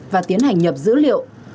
và tiến hành nhập dữ liệu